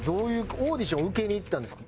オーディション受けに行ったんですか？